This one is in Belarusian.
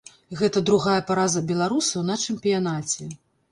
Гэта другая параза беларусаў на чэмпіянаце.